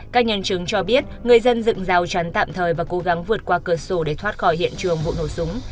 các nhân chứng cho biết người dân dựng rào chắn tạm thời và cố gắng vượt qua cửa sổ để thoát khỏi hiện trường vụ nổ súng